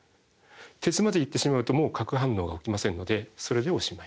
鉄までいってしまうともう核反応が起きませんのでそれでおしまい。